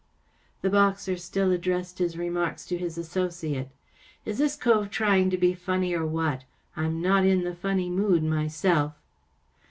The boxer still addressed his remarks to his associate. " Is this cove trying to be funny, or what ? I'm not in the funny mood myself."